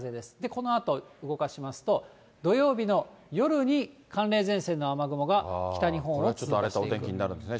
このあと動かしますと、土曜日の夜に、寒冷前線の雨雲が北日本を通過していきます。